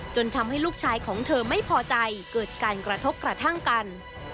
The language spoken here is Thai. ทำให้ลูกชายของเธอไม่พอใจเกิดการกระทบกระทั่งกัน